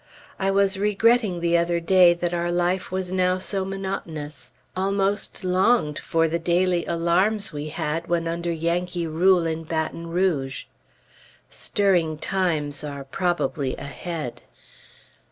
I was regretting the other day that our life was now so monotonous; almost longed for the daily alarms we had when under Yankee rule in Baton Rouge. Stirring times are probably ahead.